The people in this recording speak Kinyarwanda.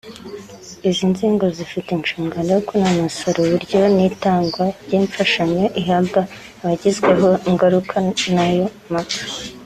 Izi nzego zifite n’inshingano yo kunononsora uburyo n’itangwa ry’imfashanyo ihabwa abagizweho ingaruka n’ayo mapfa